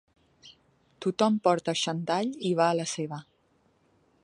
Tothom porta xandall i va a la seva.